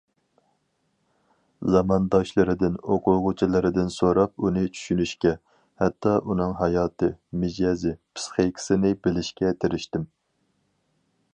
زامانداشلىرىدىن، ئوقۇغۇچىلىرىدىن سوراپ ئۇنى چۈشىنىشكە، ھەتتا ئۇنىڭ ھاياتى، مىجەزى، پىسخىكىسىنى بىلىشكە تىرىشتىم.